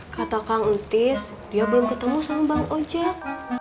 kata kang untis dia belum ketemu sama bang ojak